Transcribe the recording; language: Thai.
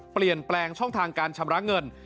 เปลี่ยนแปลงช่องทางการชำระเงิน